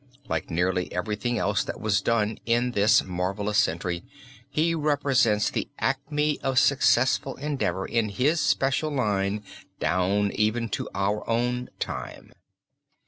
Like nearly everything else that was done in this marvelous century he represents the acme of successful endeavor in his special line down even to our own time.